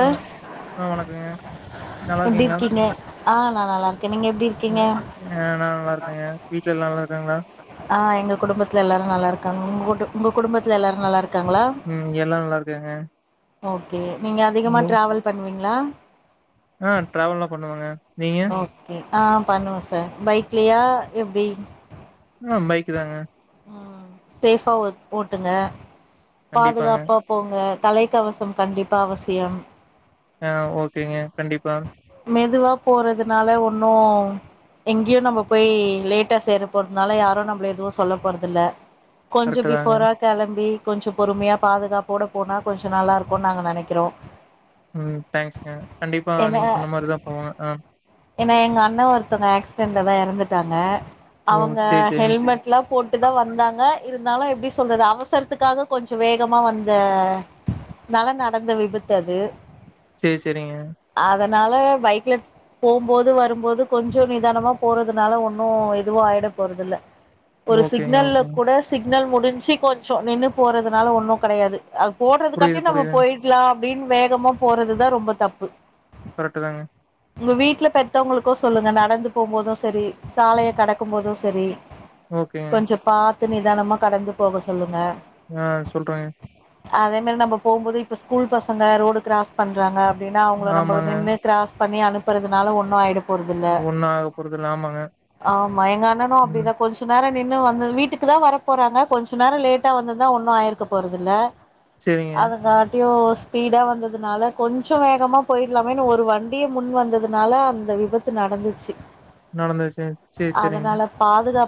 ஆ ஆ வணக்கங்க நல்லா எப்டி இருக்கீங்களா இருக்கீங்க ஆ நா நல்லா இருக்கே நீங்க எப்டி நா இருக்கீங்க நல்லா இருக்கேங்க வீட்ல எல்லா நல்லா இருக்காங்களா ஆ எங்க குடும்பத்தில எல்லாரும் நல்லா இருக்காங்க உங்க குடும்பத்தில எல்லாரும் நல்லா இருக்க ம் எல்லாம் நல்லா இருக்காங்க ஓகே நீங்க அதிகமா ம் டிராவல் பண்ணுவீங்க ல ஆ ட்ராவல்லா பண்ணுவங்க நீங்க? ஓகே ஆ பண்ணுவ சார் பைக்லையா எப்டி ஆ பைக்கு தாங்க ம் சேஃபா ஓட்டுங்க கண்டிப்பாங்க. பாதுகாப்பா போங்க தலைக்கவசம் கண்டிப்பா அவசியம் ஆ ஓகேங்க கண்டிப்பா மெதுவா போறதுனால ஒன்னும் எங்கேயும் நம்ம போய் லேட்டா சேர போறதுனால யாரும் நம்மள எதுவும் சொல்ல போறதில்ல கொஞ்ச கரெக்ட்டு தாங்க. பிஃபோரா கிளம்பி கொஞ்ச பொறுமையா பாதுகாப்போட போனா கொஞ்ச நல்லா இருக்கும்னு நாங்க நினைக்கிறோ ம் தேங்க்ஸ்ங்க கண்டிப்பா நீங்க சொன்ன மாரி தான் போவ ஆ ஏன்னா எங்க அண்ணன் ஒருத்தவங்க ஆக்சிடெண்ட்ல தான் எறந்துட்டாங்க ஓ அவங்க சேரி சேரிங்க. ஹெல்மெட்ல போட்டுதான் வந்தாங்க இருந்தாலும் எப்படி சொல்றது அவசரத்துக்காக கொஞ்ச வேகமா வந்த நால நடந்த விபத்து அது சரி சரிங்க அதனால பைக்ல போம்போது வரும்போது கொஞ்ச நிதானமா போறதுனால ஒன்னும் எதுவும் ஆயிட போறத இல்ல ஒரு ஓகேங்க சிக்னல்ல ஓகேங்க. கூட சிக் ன்னல் முடிஞ்சு கொஞ்சம் நின்று போகிறதுனால ஒண்ணு கடையாது அது புரியுது போட்றதுக்காட்டியு நம்ம புரியுதுங்க. போயிட்லா அப்டின் வேகமா போறது தா ரொம்ப தப்பு கரெக்ட்டு தாங்க. உங்க வீட்ல பெத்தவங்களுக்கு சொல்லுங்க நடந்து போம்போது செரி சாலைய கடக்கும்போது செரி ஓகேங்க. கொஞ்சம் பாத் த்து நிதானமாக கடந்து போக சொல்லுங்க ஆ சொல்றேங்க அதே மேரி நம்ம போகும்போது இப்ப ஸ்கூல் பசங்க ரோடு கிராஸ் பண்றாங்க எப்டினா அவங்கள நம்ப [unintelligible] ஆமாங்க. நின்னு கிராஸ் பண்ணி அனுப்பறதுனால ஒன்னு ஆயி போறதில்ல ஒண்ணும் ஆக போறதில்ல. ஆமாங்க. ஆமா எங்க அண்ணனு ம். அப்டிதா கொஞ்சு நேரொ இன்னு வந்து வீட்டுக்கு தா வர போறாங்க கொஞ்ச நேரொ லேட்டா வந்துந்தா ஒன்னு ஆயிருக்க போறதுல்ல சரிங்க. அதுங்காட்டியு ஸ்பீடா வந்ததுனால கொஞ்சோ வேகமா போயில்லாமேனு ஒரு வண்டிய முன் வந்ததுனால அந்த விபத்து நடந்துச்சு நடந்து சேர் சேர் செரிங்க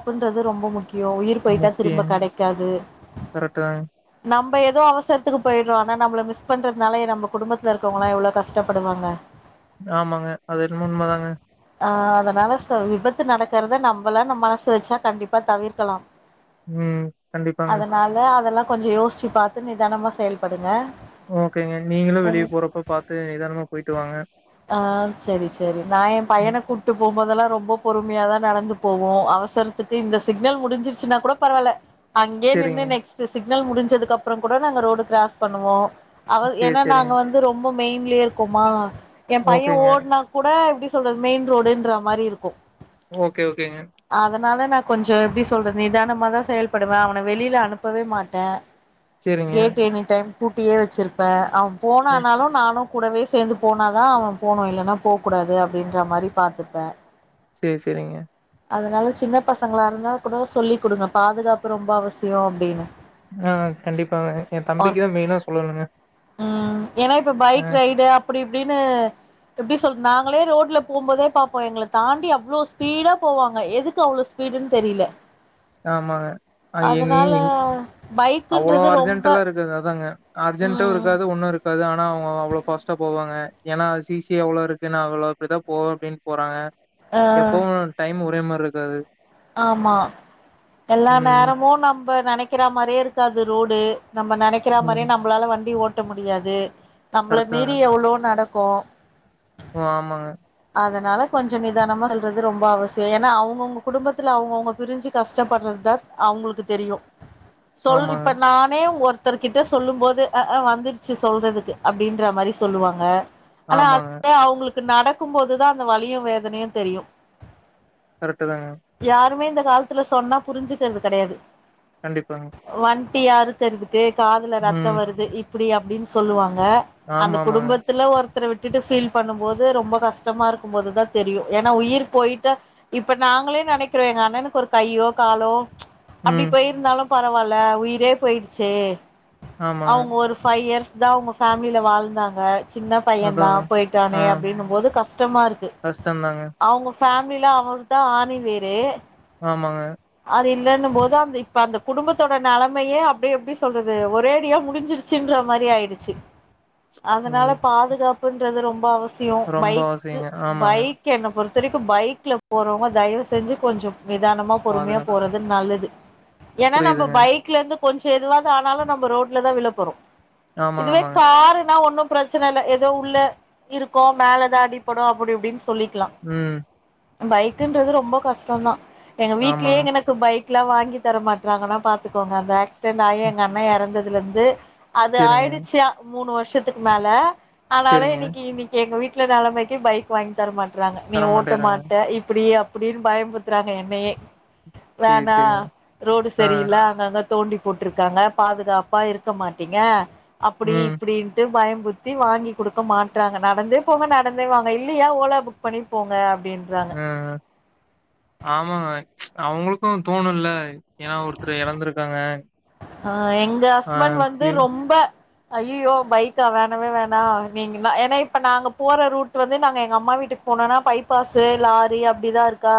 புன்றது ரொம்ப முக்கி யோ உயிர் போய்ட்டா திரும்ப கெடைக்காது கரெக்ட் தாங்க. நம் ப எதோ அவசரத்துக்கு போயிர்றோ ஆன நம்ள மிஸ் பண்றதுனால நம் குடும்பத் ல இருக்கவங்கலா எவ்ளோ கஷ்டபடுவாங்க ஆமாங்க. அது என்னமோ உண்மதாங்க. ஆ அதனால ச விபத்து நடக்கறத நம்பளால மனசு வச்சா கண்டிப்பா தவிர்க்கலா ம். கண்டிப்பாங்க. அதனால அதல்லா கொஞ்சோ யோசிச்சு பாத்து நிதானமாக செயல்படுங்க ஓகேங்க நீங்களு உங்க வெளிய போ ஆ செரி செரி நா ஏன் பையன ம். கூப்ட்டு போம்போதெல்லா ரொம்ப பொறுமையாதா நடந்து போவோ அவசரத்துக்கு இந்த சிக்னல் முடிஞ்சிருச்சுன்னா கூட பரவால அங்கே நின்னு சரிங்க. நெக்ஸ்ட் சிக் க்னல் முடிஞ்சதுக்கு அப்றம் கூட நாங்க ரோடு கிராஸ் பண்ணுவோ அவ சரி, ஏனா நாங்க சரிங்க. வந்து ரொம்ப மெயின்லே இருக்கோமா ஏன் பையன் ஓகேங்க. ஓட்னா கூட எப்டி சொ சொல்றது மெயின் ரோடுன்ற மாரிருக்கு ஓகே ஓகேங்க கொஞ்சம் எப்டி சொல்றது நிதானமாதா செயல்படுவ அவன வெளில அனுப்பவே மாட்டே சரிங்க. கேட் எனி டைம் பூட்டியே வச்சிருப்பேன் அவ் போன ம். நானும் கூடவே சேந்து போனாதான் அவன் போனும் இல்லைன்னா போக கூடாது அப்படின்ற மாரி பாத்துப்பே சேரி சேரிங்க அதனால சின்ன பசங்களாக இருந்தா கூட சொல்லி் கொடுங்க பாதுகாப்பு ரொம்ப அவசியம் அப்படின்னு ஆ ஆ கண்டிப்பாங்க என் தம்பிக்குதான் மெய்னா சொல்லணுங்க ம் ஏன்னா இப்ப அ பைக் ரைடு அப்படி இப்படின்னு எப்படி சொல்ற நாங்களே ரோட்ல போம்போதே பாப்போம் எங்களை தாண்டி அவ்வளோ ஸ்பீடா போவாங்க எதுக்கு அவ்வளோ ஸ்பீடுன்னு தெரியல ஆமாங்க [unintelligible] அவ்ளோ பைக்குன்றது அர்ஜென்ட ரொம்ப எல்லாம் இருக்குதுாங்க அர்ஜென்ட்டும் ம் இருக்காது ஒண்ணும் இருக்காது ஆனா ஆனா அவங்க அவ்ளோ ஃபார்ஸ்டா போவாங்க ஏன்னா சிசி அவ்ளவு இருக்குன்னா அவ்வளவு அப்படித போவோம் அப்படின்னு போறாங்க எப்பவும் டைம் ஒரே மாரி இருக் காது ஆமா எல்லா ம். நேரமும் நம் நம்ப நினைக்கிற மாரியே இருக்காது ரோடு நம்ம நினக்கிற ம். மாரியே நம்பளால வண்டி ஓட் ஓட்ட முடியாது நம்மள கரெக்ட் தாங்க மீறி எவ்வளோ நடக் கு ஓ ஆமாங்க அதனால கொஞ்ச நிதானமா செல்றது ரொம்ப அவசியம் ஏன்னா அவங்கவுங்க குடும்பத்துல அவங்கவுங்க பிரிஞ்சு கஷ்டப்படுறது தான் அவங்களுக்கு தெரியும் சொல் ஆமாங்க இப்ப நானே ஒரு ஒருத்தர்கிட்ட சொல்லும் போது ஆ ஆ வந்துடுச்சு சொல்றதுக்கு அப்படின்ற மாரி சொல்லுவாங்க ஆனா அது ஆமாங்க அவங்களுக்கு நட இருக்கும்போதுதான் அந்த வலியும் வேதனையும் தெரியும் கரெக்ட் தாங்க காலத்துல சொன்னா புரிஞ்சுக்கிறது கடையாது கண்டிப்பாங்க யாரு தெரி காதுல ம். ரத்தம் வருது இப் அப்படி அப்படின்னு சொல்லுவாங்க அந்த ஆமா ஆமாங்க. குடும்பத்துல ஒரு ஒருத்தர விட்டுட்டு பீல் பண்ணும் போது ரொம்ப கஷ்டமா இருக்கும் போதுதான் தெரியும் ஏன்னா உயிர் போயிட்டா இப்ப நாங்களே நினைக்கிறோம் எங்க அண்ணனுக்கு ஒரு கையோ காலோ அப்படி ம். போயிருந்தாலும் பரவாயல்ல உயிரே போயிடுச்சே ஆமாங்க. அவங்க ஒரு ஃபைவ் இயர்ஸ் தா அவங்க ஃபேமிலில வாழ்ந்தாங்க சின்ன பையன அதாங்க. தான் ஆ போயிட்டானே அப்படின்ும் போது கஷ்டமா இருக்கு கஷ்டம் தாங்க. அவங்க ஃபேமிலில அவரு்தான் ஆணி வேரு ஆமாங்க அது இல்லன்னு போது அந்த இப்ப அந்த குடும்பத்தோட நிலைமையே அப்படி எப்படி சொல்றது ஒரேடியா முடிஞ்சிருச்சுன்ற மாரி ஆயிடுச்சு அதனால ம். பாதுகாப்புன் து ரொம்ப அவசியம் ம் ரொம்ப பைக் அவசியங்க. ஆமாங்க. பைக் என்ன பொறுத்து வரைக்கும் பைக்ல போறவங்க தயவு செஞ்சு கொஞ்சம் நிதானம் பொறுமையா பாதுகாப்பு போறது நல்லது ஏன்னா நம்ம புரியுதுங்க. பைக்ல இருந்து கொஞ்சம் எதுவாவது ஆனாலும் நம்ம ரோட்ல தான் விள போறோம் ஆமாங்க, இதுவே ஆமாங்க. காருனா ஒண்ணும் பிரச்சன இல்ல ஏதோ உள்ள இருக்கோ மேலதான் அடிப்படும் அப்படி இப்படின்னு சொல்லிக்கலா ம். பைக்குன்றது ரொம்ப கஷ்ட தான் எங்க வீட் ஆமாங்க. [unintelligible] எனக்கு பைக் [unintelligible] வாங்கி தர மாட்ராங்கன்னா பாத்துக்கோங்க அந்த ஆக்ஸ் சிடென்ட் ஆயி ம். எங்க அண்ணா எறந்தது அதுல இருந்து அது சரிங்க, ஆயிடுச்ச மூணு வருஷம் க்கு மேல ஆனால சரிங்க. இன்னிக்கு இன்னிக்கு எங்க வீட் [unintelligible] நிலைமைக்கு பைக் வாங்கி தர மாட் நீ ஓட்ட தரமாட்டேறாங்க. மாட்ட இப்படியே அப்படின்னு பயம்புடுத்துறாங்க என்னையே சரி, வேணா சரிங்க. ரோடு ஆ. சரியில அங்கங்க தோண்டி போட்டுருக்காங்க பாதுகாப்பா இருக்க மாட்டீங்க அப்புடி ம். இப்புடின்ட்டு பயம் முருத்தி வாங்கி குடுக்க மாட்றாங்க நடந்தே போங்க நடந்தே வாங்க இல்லையா ஓலா புக் பண்ணி போங்க அப்டின்றாங்க அ. ஆமாங்க அவுங்களுக்கு தோணுல்ல ஏனா ஒருத்தரு எழந்துருக்காங்க அ எங்க ஹஸ்பண்ட் வந்து ரொம்ப ஐய்யயோ பைக்கா வேணவே வேணா நீங்க ஏனா இப்ப நாங்க போற ரூட் வந்து நாங்க எங்க அம்மா வீட்டுக்கு போணுனா பைபாஸ்ஸு லாரி அப்டிதா இருக்கா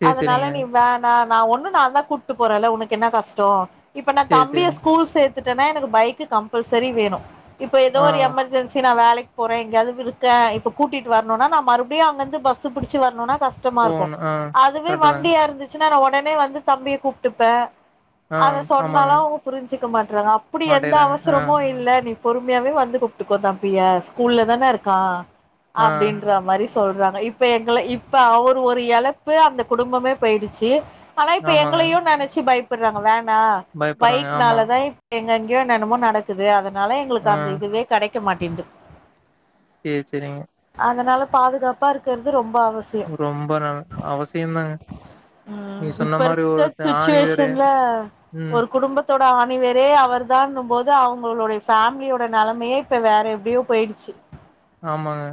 சரி, அதனால சரிங்க. நீ வேணா நா ஒண்ணு நா தா கூப்ட்டு போறேல்ல உனக்கு என்ன கஷ்டே இப்ப நா சரி, தம்பிய சரிங்க. ஸ்கூல் சேத் கத்துட்டனா எனக்கு பைக்கு கம்பல்சரி வேணு இப்ப ஏதோ ஒரு ஆ. எமர்ஜென்சி நா வேலைக் போறே எங்கயாவது விருக்கே இப்ப கூட்டிட்டு வரணுன்னா நா மறுபடியு அங்கர்ந்து பஸ்ஸு புடிச்சு வரணுன்னா கஷ்டமாருக்கு போகணு ஆ அதுவே கரெக்ட்டு தாங்க வண்டியா இருந்துச்சு நாங்க ஒடனே வந்து தம்பிய கூப்டுப்ப ஆ சொன்னாலு ஆமாங்க அவுங்க புரிஞ்சுக்க மாட்றாங்க அப்புடி எந்த மாட்டேறாங்க ஆ அவசரமு இல்ல நீ பொறுமையாவே வந்து கூப்டுக்கோ தம்பிய ஸ்கூல்ல தான இருக்கா ஆ அப்டின்ற மாரி ஸ் சொல்றாங்க இப்ப எங்குள இப்ப அவுரு ஒரு எழப்பு அந்த குடும்பமே பேய்டுச்சு பலய்ப்பு ஆமாங்க எங்குளையு நெனச்சு பைப் புடுறாங்க வேணா பயப்பட்றாங்க ஆமா பைக்னால தா இப் எங்கன் ங்கேயோ ஏன்னான்னமோ நடக்குது அத னால எங்களுக்கு ஆ அந்த இதுவே கடைக் க்க மாட்டேந்து சேர் செரிங்க அதுனால பாதுகாப்பா இருக்கற்து ரொம் ரொம்ப நா அவசியந்தாங்க ம் நீங்க சொன்ன இப்ப மாரி இருக்க ஒருத்த ஆணி வேரே சுச்சுவேஷன்ல ம் ஒரு குடும்பத்தோட அணிவேரே அவருதா இன்னும்போது அவுங்களோடைய ஃபேம்லியோட நெலைமேயே இப்ப வேற எப்டியோ போய்டுச்சு ஆமாங்க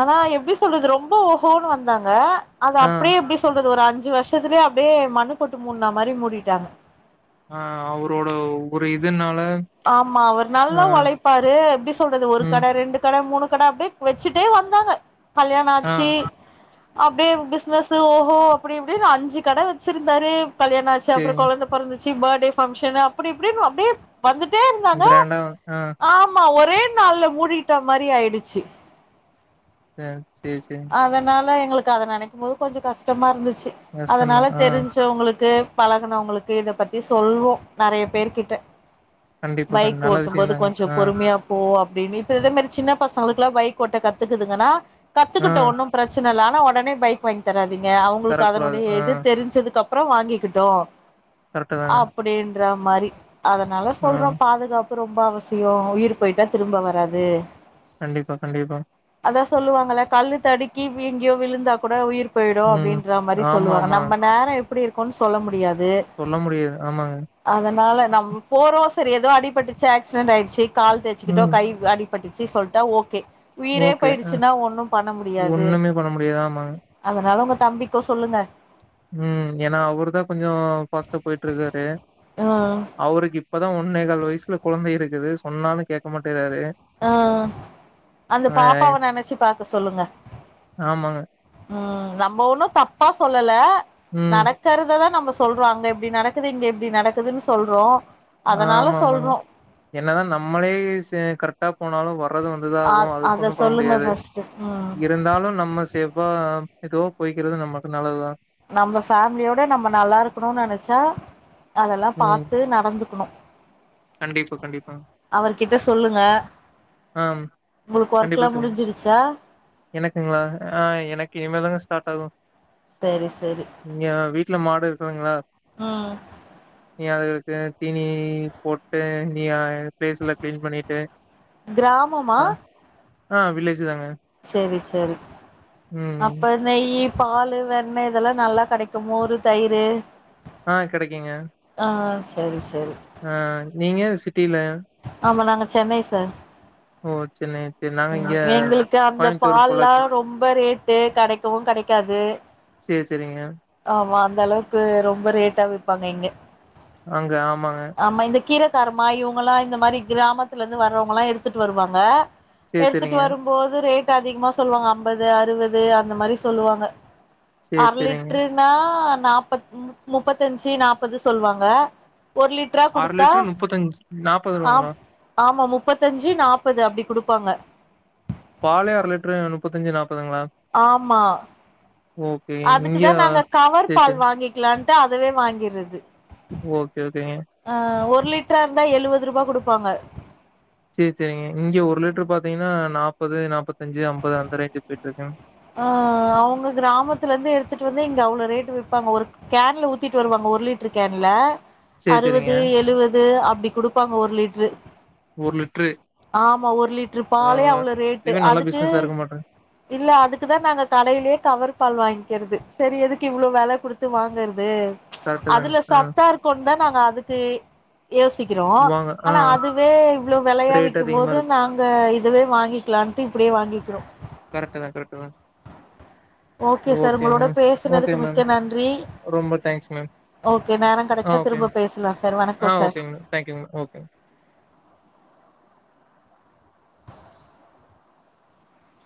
ஆனா எப்டி சொல்றது ரொம்போ ஓஹோன்னு வந்தாங்க அது ஆ அப்டே எப்டி சொல்றது ஒரு அ அஞ்சு வர்ஷத்துலே அப்டே மண்ணு போட்டு மூட்னா மாரி மூடிட்டாங்க ஆ அவரோட ஒரு இதுனால ஆமா அவர் ஆ நல்லா ஒழைப்பாரு எப்டி சொல்றது ஒரு ம் கட ரெண்டு கட மூணு கட அப்டே வச்சுட்டே வந்தாங்க கல்யாண் ஆ ஆச்சி அப்டேவு பிஸ்னஸ்ஸு ஓஹோ அப்புடி இப்டீன்னு அஞ்சு கட வச்சிருந்தாரு கல்யாண் ஆச்சு அப்புறோ சேரிங்க கொழந்த பொறந்து ச்சி பார்டே பங்க்ஷன்னு அப்புடி இப்டீன்னு அப்டே வந்துட்டே இருந்தாங்க கிராண்டா ஆ ஆமா ஒர் ரே நாள்ல மூடிட்டா மாரி ஆய்டுச்சு அ சேரி சேரி எங்களுக்கு அத நனைக்கும் போது கொஞ்சோ கஷ்டமா இருந்து ச்சு கஷ்டந்தா அதனால ஆ தெரிஞ்சவங்களுக்கு பழகுனவுங்களுக்கு இத பத்தி சொல்வோ நறைய பேரு கிட்ட கண்டிப்பா கண் பைக் நல்ல ஓட்டும் போது விஷயந்தாங்க கொஞ்சோ ஆ பொறுமுயா போ அப்படின்னு இப்ப இதே மாதிரி அப்டின் இப்ப இதே மாரி சின்ன பசங்ளுக்குலா பைக்கோட்ட கத்துக்கிதுங்கனா ஆ கத்துக்கிட்டு ஒன்னு பிரச்சினல ஆ ஒடனே பைக் வாங்கி தரா திங்க அவுங்குளுக்கு தரக்கூடாது அதனுடே ஆ இது தெரிஞ்சதுக்கு அப் அப்றோ வாங்கி கிட்டு கரெக்ட்டுதாங்க ன்றா மாரி அதனால சொல்றோம் பாதுகாப்பு ரொம்ப அவசியம் உயிர் போயிட்டா திரும்ப வராது கண்டிப்பா கண்டிப்பா அதான் சொல்லுவாங்கள கல்லு தடுக்கி எங்கயோ விழுந்தா கூட உயிர் போயிடும் ம் அப்டின்றா மாரி சொல்லுவாங்க ஆமாமா நம்ம நேரம் எப் ப்டி இருக்கும்னு சொல்ல முடியாது சொல்ல முடியாது ஆமா அதனால நம் போரோஸ் சரி ஏதுோ அடிபட்டுச்சு ஆக்சிடெட் ஆயிட்ச்சு கால் தேச்சுக்கிட்டோ ம். கை அடி பட்டிச்சு சொல்ட்டா ஓகே உயிரே ஓகே. அ போயிடுச்சுன்னா ஒண்ணும் பண்ண முடியாது ஒண்ணுமே பண்ண முடியாது. ஆமாங்க. அதனால உங்க தம்பிக்கு சொல்லுங்க உம் ஏன்னா அவர்தா கொஞ்ச ஃபாஸ்ட்டா போயிட்ருக்காரு து ம் அவருக்கு இப்பதா ஒ ஒன்னே கால் வயசுல கொழந்த இருக்குது சொன்னால கேட்க மாட்டேக்குறாரு ஆ அந்த பாப்பாவ நெனச்சு பாக்க சொல்லுங்க ஆமாங்க. உம் நம்ம ஒன்னு தப்பா சொல்லல ம். நடக்கற்ததா நம்ம சொ சொல்றோ அங்க இப்டி நடக்குது இங்க இப்டி நடக்குதுன்னு சொல்றோ ஆ அதனால ஆமா ஆமாங்க சொல்றோ என்னதா நம்மளே செ கரெக்டா போனாலு வர்றது வந்துதா அ ஆகும் அத அதுக்கொண்ணு பண்ண சொல்லுங்க முடியாது ஃபர்ஸ்ட்டு ம் இருந்தாலு நம்ம சேஃப்பா ஏதோ போய்க்கிறது நமக்கு நல்லதுதா நம்ம ஃபேமிலியோட நம்ம நல்லா இருக்கணும்னு நெனச்சா அதெல்லா ம். பார்த்து நடந்துக்கணு கண்டிப்பா, கண்டிப்பாங்க. அவர் கிட்ட சொல்லுங்க ஆம் உங்களுக்கு கண்டிப்பா ஒர்க்லா சொல்ல முடிஞ்சிருச்சா எனக்குங்களா ஆ எனக்கு இனிமேதா இப்பதா ஸ்டார்ட் ஆகும் செரி செரி இங்க வீட்ல மாடு இருக்குதுங்களா ம் ங்க அது த தீனி போட்டு நீ அ பிளேஸ்லா கிளீன் பண்ணிட்டு க்ராம்மா ஆ ஆ வில்லேஜ் தாங்க. சரி சரி ம். அப்பநை பால் வெண்ண இதெல்லா நல்லா கிடைக்குமோரு தயிர் ஆ கிடைக்கிங்க சரி சரி ஆ நீங்க சிட்டில ஆமா நாங்க சென்னை சார் ஓ! சென்னை சரி நாங்க இங்க எங்களுக்கு அந்த கோயம்புத்தூர், பால்ல்லா பொள்ளாச்சி. ரொம்ப ரேட்டு கிடைக்கவு கிடைக்காது சரி சரிங்க ஆமா அந்த அளவுக்கு ரொம்ப ரேட்டா விப்பாங்க இங்க அங்க ஆமாங்க க்கருமா இவங்கங்களா இந்த மாதிரி கிராமத்துல இருந்து வர்றவங்கல்லா எடுத்துட்டு வருவாங்க சரி, எடுத்துட்டு சரிங்க. வரும்போது ரேட் அதிகமா சொல்லுவாங்க அம்பது அறுபது அந்த மாதிரி சொல்லுவாங்க சரி சரிங்க நா நாப்பத் முப்பத்தஞ்சு நாப்பது சொல்லுவாங்க ஒரு லிட்டரா கொடுத்தா லிட்டர் ரூ. ஆம் ஆமா முப்பத்தஞ்சு நாபது அப்படி கொடுப்பாங்க பாலைய அர லிட்டரு நுப்பத்தஞ்சு நாப் ஆமா ஓகே. இங்க அதுக்குதா நாங்க கவர் சரி, பால் சரி. வாங்கிக்லான் அதவே வாங்கிற்றது ஓகே ஓகேங்க ஒரு லிட்ரா இருந்தா எழுவதுருபா குடுப்பாங்க சேர் செரிங்க இங்க ஒரு லிட்ரு பாத்தீங்கன்னா நாப் முப்பது நாப்பத் அஞ்சு ஐம்பது அந்த ரேஞ்ச் போயிட்டு இருக்கே அ அவ்ங்க கிராமத்துலருந்து எடுத்துகிட்டு வந்து இங்க அவ்ளோ ரேட்டு விப்பாங்க ஒரு கேன்ல ஊத்திட்டு வருவாங்க ஒரு லிட்ரு கேன்ல சரி, சரிங்க. அறுபது எழுபது அப்டி குடுப்பாங்க ஒரு லிட்ரு ஒரு லிட்ரு ஆமா ஒரு லிட்ரு பாலே பரவால்ல அவ்ளோ ரேட்டு இதுவே நல்ல அதுக்கு பிசினஸா இருக்க மாட்றாங்க இல்ல அதுக்கு தா நாங்க கடைலே கவர் பால் வாங்கிக்கற்து சரி எதுக்கு இவ்ளோ வெல குடுத்து வாங்கற் து கரெக்ட்டு தாங்க அதுல ஆ சத்தா இருக்குன் தா பாங்க அதுக்கு யோசிக்கிறோ வாங்க ஆ ஆனா அதுவே இவ்ளோ வெலையா ரேட் அதிகமா விக்கும்போது இருக்கு நாங்க இதுவே வாங்கிக்கலான்ட்டு இப்டியே வாங்கி கிறோ கரட்டு தா கரட்டு தா ஓகே சார் உங்களோட ஓகே பேசுனதுக்கு மேம் மிக்க நன்றி ரொம்ப தேங்க்ஸ் மேம் ஓகே நேர ஆ கெடச்சா ஓகேங்க திரும்ப பேசலா சார் வணக்கோ ஆ சார் ஓகேங்க மேம் தேங்க்யூ மேம் ஓகே